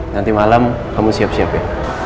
nanti malam kamu siap siap ya